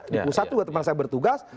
di pusat juga teman saya bertugas